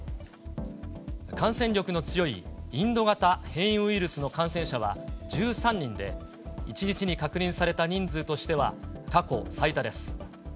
感染力の強いインド型変異ウイルスの感染者は１３人で、１日に確認された人数としては、過去最多です。